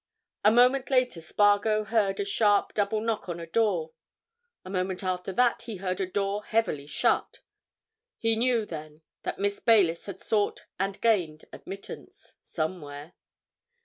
A moment later Spargo heard a sharp double knock on a door: a moment after that he heard a door heavily shut; he knew then that Miss Baylis had sought and gained admittance—somewhere.